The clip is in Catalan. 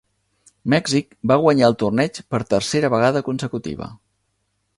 Mèxic va guanyar el torneig per tercera vegada consecutiva.